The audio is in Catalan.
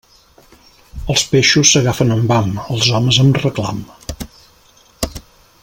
Els peixos s'agafen amb ham; els homes, amb reclam.